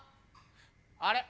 あれ？